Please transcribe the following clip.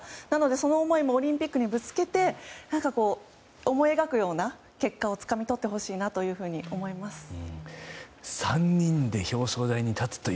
なので、その思いもオリンピックにぶつけて思い描くような結果をつかみ取ってほしいなというふうに思います。